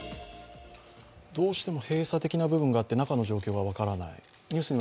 どうしても閉鎖的な部分があって、中の状況が分からない。